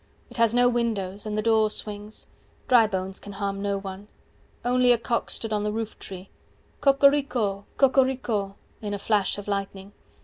It has no windows, and the door swings, Dry bones can harm no one. 390 Only a cock stood on the roof tree Co co rico co co rico In a flash of lightning.